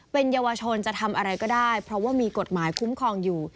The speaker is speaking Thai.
เป็นเยาวชนจะทำอะไรก็ได้เพราะว่ามีกฎหมายคุ้มครองอยู่